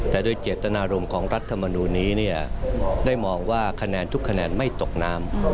แต่โดยเจตนารมณ์ของรัฐมนูลนี้ได้มองว่าคะแนนทุกคะแนนไม่ตกน้ำ